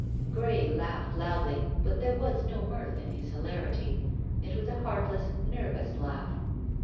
Grey laughed loudly, but there was no mirth in his hilarity. It was a heartless, nervous laugh.